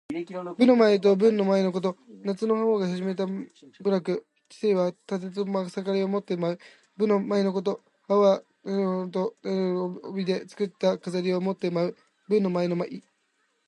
武の舞と文の舞のこと。夏の禹王が始めた舞楽。「干戚」はたてとまさかりを持って舞う、武の舞のこと。「羽旄」は雉の羽と旄牛の尾で作った飾りを持って舞う、文の舞の意。